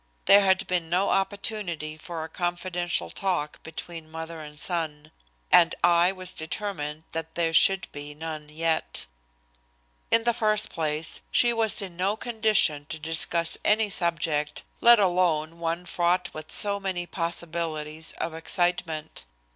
There had been no opportunity for a confidential talk between mother and son. And I was determined that there should be none yet. In the first place, she was in no condition to discuss any subject, let alone one fraught with so many possibilities of excitement.